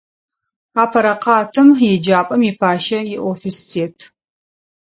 Апэрэ къатым еджапӏэм ипащэ иофис тет.